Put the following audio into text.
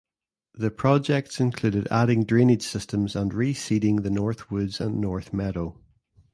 The projects included adding drainage systems and reseeding the North Woods and North Meadow.